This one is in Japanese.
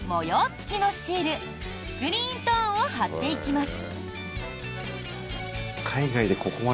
付きのシールスクリーントーンを貼っていきます。